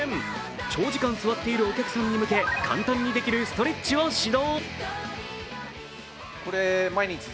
長時間座っているお客さんに向け、簡単にできるストレッチを指導。